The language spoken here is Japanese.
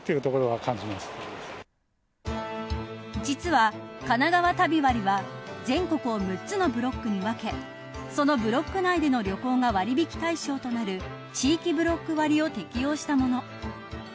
実は、かながわ旅割は全国を６つのブロックに分けそのブロック内での旅行が割引対象となる地域ブロック割を適用したもの。